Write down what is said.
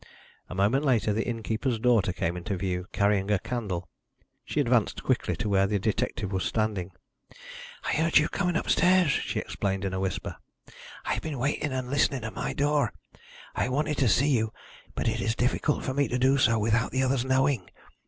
A moment later the innkeeper's daughter came into view, carrying a candle. She advanced quickly to where the detective was standing. "I heard you coming upstairs," she explained, in a whisper. "I have been waiting and listening at my door. I wanted to see you, but it is difficult for me to do so without the others knowing.